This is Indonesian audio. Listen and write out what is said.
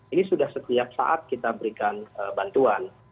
ini sudah setiap saat kita berikan bantuan